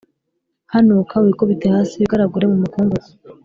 hanuka wikubite hasi, wigaragure mu mukungugu,